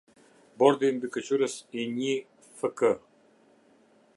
Bordi Mbikëqyrës i NjiF-K.